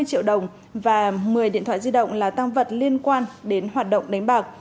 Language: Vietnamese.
năm mươi triệu đồng và một mươi điện thoại di động là tăng vật liên quan đến hoạt động đánh bạc